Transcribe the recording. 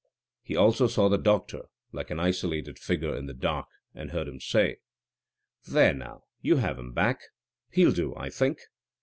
He also saw the doctor, like an isolated figure in the dark, and heard him say: "There, now, you have him back. He'll do, I think."